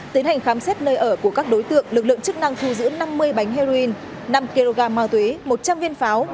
tiến hành khám xét nơi ở của các đối tượng lực lượng chức năng thu giữ năm mươi bánh heroin năm kg ma túy một trăm linh viên pháo